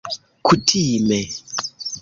kutime